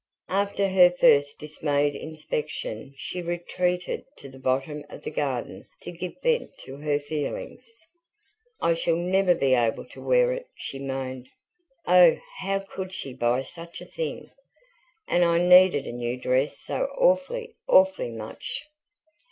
After her first dismayed inspection, she retreated to the bottom of the garden to give vent to her feelings. "I shall never be able to wear it," she moaned. "Oh, how COULD she buy such a thing? And I needed a new dress so awfully, awfully much."